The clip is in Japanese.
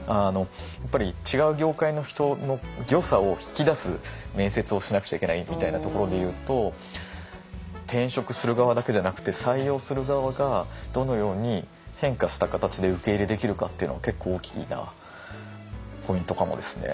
やっぱり違う業界の人の良さを引き出す面接をしなくちゃいけないみたいなところで言うと転職する側だけじゃなくて採用する側がどのように変化した形で受け入れできるかっていうのは結構大きなポイントかもですね。